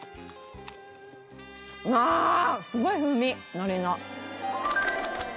ああすごい風味海苔の。